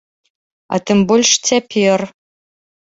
А тым больш цяпер.